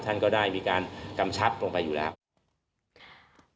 ท่านก็ได้มีการกำชับลงไปอยู่แล้ว